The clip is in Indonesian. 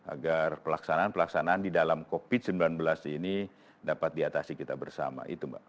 agar pelaksanaan pelaksanaan di dalam covid sembilan belas ini dapat diatasi kita bersama itu mbak